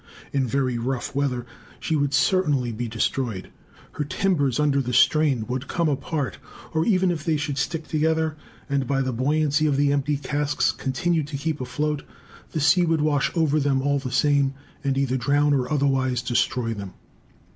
In very rough weather she would certainly be destroyed. Her timbers under the strain would come apart; or, even if they should stick together, and by the buoyancy of the empty casks continue to keep afloat, the sea would wash over them all the same and either drown or otherwise destroy them.